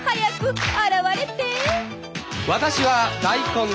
私は大根。